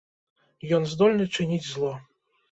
Ён здольны чыніць зло.